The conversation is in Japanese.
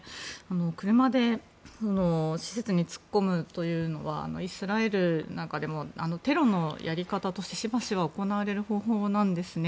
車で施設に突っ込むというのはイスラエルなんかでもテロのやり方としてしばしば行われる方法なんですね。